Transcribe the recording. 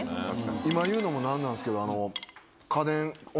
今言うのも何なんですけど。